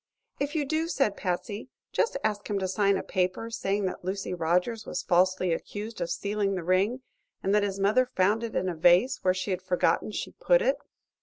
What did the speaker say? "If you do," said Patsy, "just ask him to sign a paper saying that Lucy Rogers was falsely accused of stealing the ring, and that his mother found it in a vase, where she had forgotten she put it."